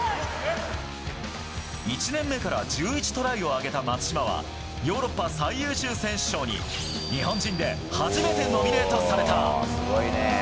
１年目から１１トライを挙げた松島はヨーロッパ最優秀選手賞に日本人で初めてノミネートされた。